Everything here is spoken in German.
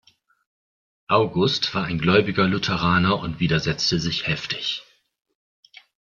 August war ein gläubiger Lutheraner und widersetzte sich heftig.